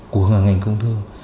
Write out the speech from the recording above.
của cả ngành công thương